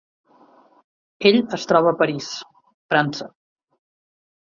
Ell es troba a París, França.